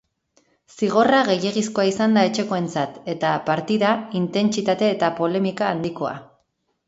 Zigorra gehiegizkoa izan da etxekoentzat, eta partida, intentsitate eta polemika handikoa.